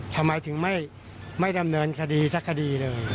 ทำไมถึงไม่ดำเนินคดีสักคดีเลย